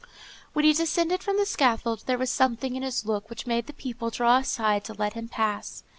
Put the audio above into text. When he descended from the scaffold, there was something in his look which made the people draw aside to let him pass.